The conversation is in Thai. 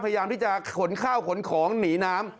พยายามที่จะขนข้าวขนของหนีน้ำ